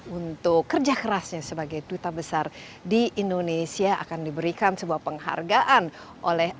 untuk kerja kerasnya sebagai duta besar di indonesia akan diberikan sebuah penghargaan oleh